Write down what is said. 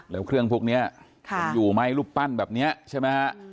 แล้วเครื่องพวกนี้มันอยู่ไหมรูปปั้นแบบนี้ใช่ไหมฮะ